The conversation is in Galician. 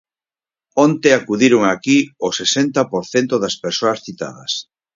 Onte acudiron aquí o sesenta por cento das persoas citadas.